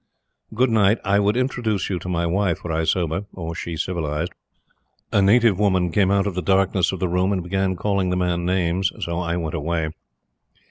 Good night. I would introduce you to my wife were I sober or she civilized." A native woman came out of the darkness of the room, and began calling the man names; so I went away.